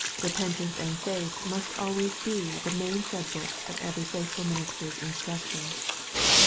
Repentance and faith must always be the main subjects of every faithful minister's instruction.